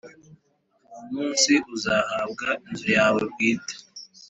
Uwo munsi uzahabwa inzu yawe bwite